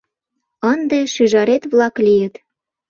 — Ынде шӱжарет-влак лийыт.